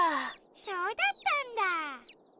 そうだったんだ！